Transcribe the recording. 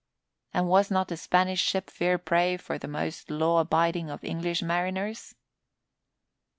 And was not a Spanish ship fair prey for the most law abiding of English mariners?